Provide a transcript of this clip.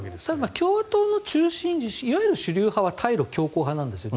共和党の中心いわゆる主流派は対ロ強硬派なんですよね。